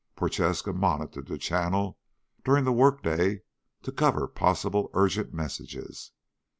Prochaska monitored the channel during the workday to cover possible urgent messages.